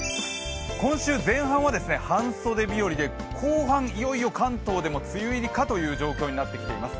今週前半は半袖日和で後半、いよいよ関東でも梅雨入りかという状況になってきています。